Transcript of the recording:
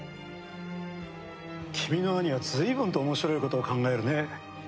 君の兄はずいぶんと面白いことを考えるね。